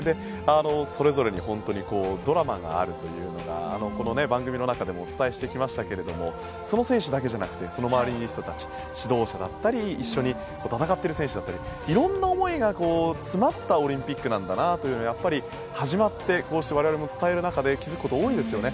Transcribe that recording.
それぞれに本当にドラマがあるというのがこの番組の中でもお伝えしてきましたけどその選手だけじゃなくてその周りにいる人たち指導者だったり一緒に戦っている選手だったりいろんな思いが詰まったオリンピックなんだなというのがやっぱり始まってこうして我々も伝える中で気づくこと、多いですよね。